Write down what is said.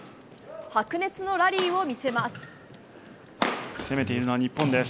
白熱のラリーを見せます。